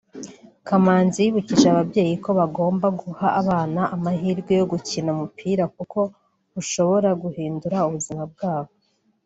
Kamanzi yibukije ababyeyi ko bagomba guha abana amahirwe yo gukina umupira kuko ushobora guhindura ubuzima bwabo